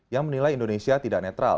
yang menilai indonesia tidak netral